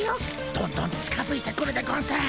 どんどん近づいてくるでゴンス。